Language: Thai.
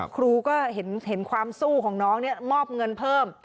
ครูก็เห็นความสู้ของน้องมอบเงินเพิ่ม